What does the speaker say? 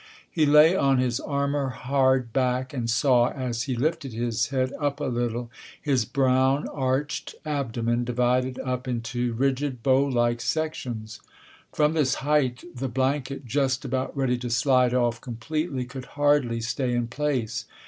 He lay on his armour hard back and saw, as he lifted his head up a little, his brown, arched abdomen divided up into rigid bow like sections. From this height the blanket, just about ready to slide off completely, could hardly stay in place.